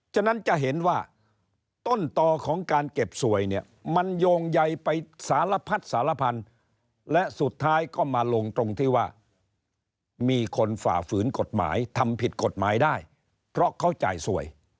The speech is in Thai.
ฉะนั้นจะเห็นว่าต้นต่อของการเก็บสวยเนี่ยมันโยงใยไปสารพัดสารพันธุ์และสุดท้ายก็มาลงตรงที่ว่ามีคนฝ่าฝืนกฎหมายทำผิดกฎหมายได้เพราะเขาจ่ายสวย